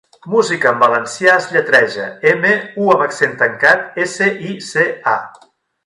'Música' en valencià es lletreja: eme, u amb accent tancat, esse, i, ce, a.